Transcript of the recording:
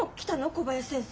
小林先生。